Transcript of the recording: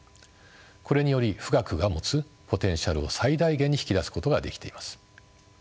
これにより富岳が持つポテンシャルを最大限に引き出すことができています。